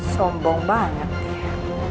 sombong banget dia